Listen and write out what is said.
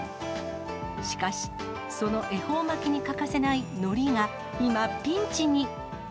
しかし、その恵方巻きに欠かせないのりが今、ピンチに。